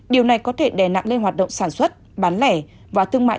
điều này có thể đè nặng lên hoạt động sản xuất bán lẻ và thương mại